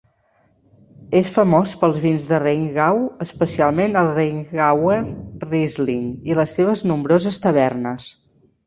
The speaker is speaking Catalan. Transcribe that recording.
És famós pels vins de Rheingau, especialment el Rheingauer Riesling, i les seves nombroses tavernes.